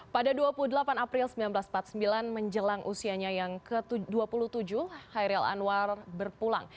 pada dua puluh delapan april seribu sembilan ratus empat puluh sembilan menjelang usianya yang ke dua puluh tujuh hairil anwar berpulang